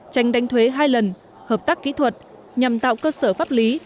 tranh đánh thuế hai lần hợp tác kỹ thuật nhằm tạo cơ sở pháp lý